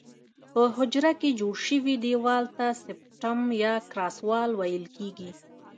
په حجره کې جوړ شوي دیوال ته سپټم یا کراس وال ویل کیږي.